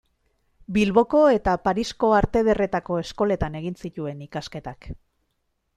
Bilboko eta Parisko Arte Ederretako Eskoletan egin zituen ikasketak.